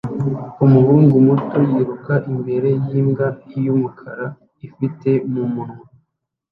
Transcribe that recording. Umuhungu muto yiruka imbere yimbwa yumukara ifite mumunwa